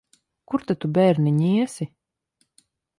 Kur tad tu, bērniņ, iesi?